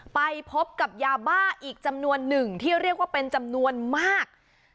ไปพบกับยาบ้าอีกจำนวนหนึ่งที่เรียกว่าเป็นจำนวนมาก